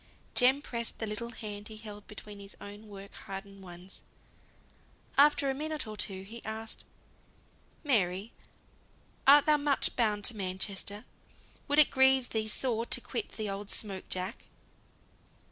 Jem pressed the little hand he held between his own work hardened ones. After a minute or two, he asked, "Mary, art thou much bound to Manchester? Would it grieve thee sore to quit the old smoke jack?"